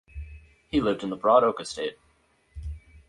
He lived in the Broad Oak estate.